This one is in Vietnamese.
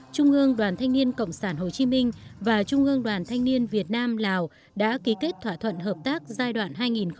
trung ương đoàn thanh niên cộng sản hồ chí minh và trung ương đoàn thanh niên việt nam lào đã ký kết thỏa thuận hợp tác giai đoạn hai nghìn một mươi năm hai nghìn hai mươi năm